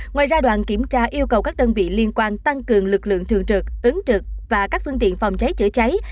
ngoài ra đoàn kiểm tra yêu cầu các đơn vị liên quan tăng cường lực lượng thường trực ứng trực và các phương tiện phòng cháy chữa cháy